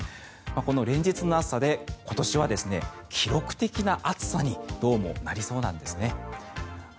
この連日の暑さで今年は記録的な暑さにどうもなりそうなんですね。